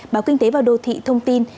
báo kinh tế và đô thị thông tin